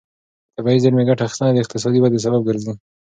د طبیعي زېرمې ګټه اخیستنه د اقتصادي ودې سبب ګرځي.